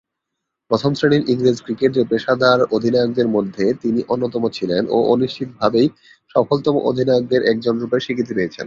প্রথম-শ্রেণীর ইংরেজ ক্রিকেটে পেশাদার অধিনায়কদের মধ্যে তিনি অন্যতম ছিলেন ও নিশ্চিতভাবেই সফলতম অধিনায়কদের একজনরূপে স্বীকৃতি পেয়েছেন।